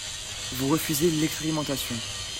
Vous refusez l’expérimentation